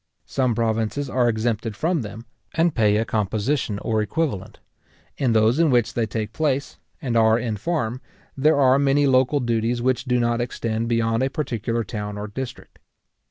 Some provinces are exempted from them, and pay a composition or equivalent. In those in which they take place, and are in farm, there are many local duties which do not extend beyond a particular town or district.